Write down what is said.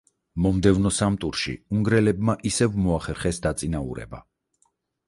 მომდევნო სამ ტურში უნგრელებმა ისევ მოახერხეს დაწინაურება.